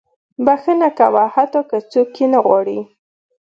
• بښنه کوه، حتی که څوک یې نه غواړي.